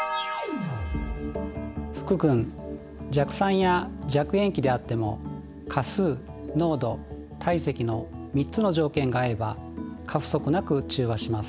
福くん弱酸や弱塩基であっても価数濃度体積の３つの条件が合えば過不足なく中和します。